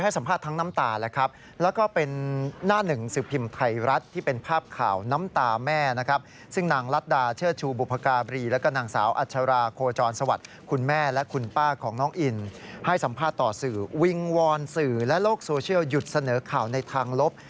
ให้สัมภาษณ์ต่อสื่อวิงวอนสื่อและโลกโซเชียลหยุดเสนอข่าวในทางลบ